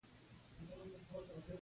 مېلمه ته د کالي پاکوالی وښیه.